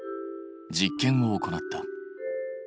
実験を行った。